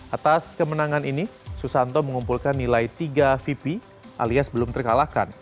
atas kemenangan ini susanto mengumpulkan nilai tiga vp alias belum terkalahkan